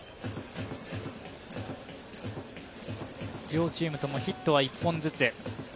両チームともヒットは１本ずつ。